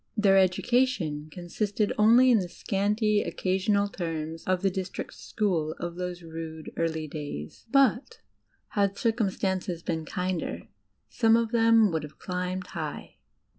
Their education consisted only in the scanty, occasional terms of the district school of those rude, early days; but, had circum stances been kinder, some of them would have climbed high.